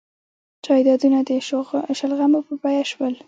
جایدادونه د شلغمو په بیه شول.